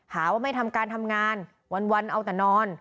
หาว่าไม่ทำการทำงานวันเอาแต่นอน